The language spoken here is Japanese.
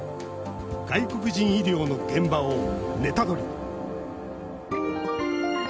外国人医療の現場をネタドリ！